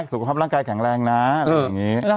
ส่วนความร่างกายแข็งแรงนะอย่างนี้